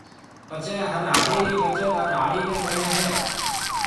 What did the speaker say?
پڇيَ هر هاڙِي رِي بچت هر هاڙِي نَي ڏي هيَ۔